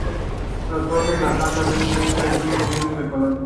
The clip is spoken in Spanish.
Los flósculos alcanzan una treintena y tienen el mismo color.